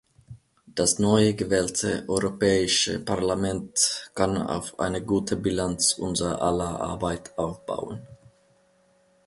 Das neu gewählte Europäische Parlament kann auf eine gute Bilanz unser aller Arbeit aufbauen.